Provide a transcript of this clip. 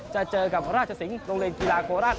จะเจอกับราชสิงห์โรงเรียนกีฬาโคราช